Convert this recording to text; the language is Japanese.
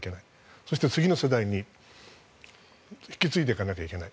そして次の世代に引き継いでいかなきゃいけない。